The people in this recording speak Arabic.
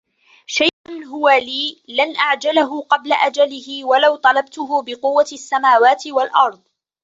شَيْئًا هُوَ لِي لَنْ أَعْجَلَهُ قَبْلَ أَجَلِهِ وَلَوْ طَلَبْتُهُ بِقُوَّةِ السَّمَوَاتِ وَالْأَرْضِ